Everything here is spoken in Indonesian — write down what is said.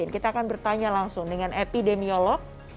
kita akan bertanya langsung dengan epidemiolog